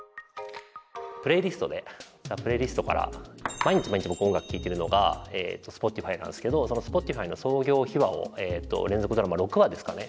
「プレイリスト」で「ザ・プレイリスト」から毎日毎日僕音楽聴いているのがＳｐｏｔｉｆｙなんですけどそのＳｐｏｔｉｆｙの創業秘話を連続ドラマ６話ですかね。